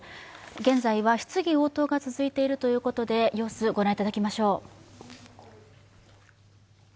現在は質疑応答が続いているということで様子、ご覧いただきましょう。